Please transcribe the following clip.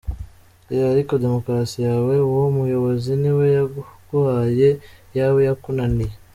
Eh ariko demokarasi yawe uwo muyobozi niwe yaguhaye… iyawe yakunaniye.